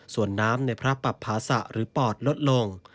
ส่วนน้ำในพระปรับภาษะหรือปอดลดลง